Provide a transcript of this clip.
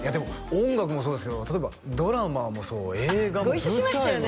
音楽もそうですけど例えばドラマもそう映画もご一緒しましたよね